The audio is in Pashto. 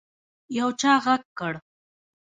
يو چا غږ کړ.